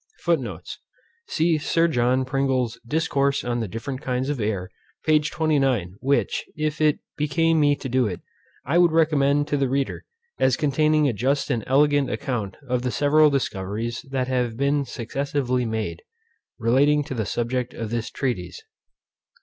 FOOTNOTES: See Sir John Pringle's Discourse on the different kinds of air, p. 29, which, if it became me to do it, I would recommend to the reader, as containing a just and elegant account of the several discoveries that have been successively made, relating to the subject of this treatise.